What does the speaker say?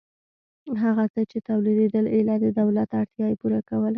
هغه څه چې تولیدېدل ایله د دولت اړتیا یې پوره کوله.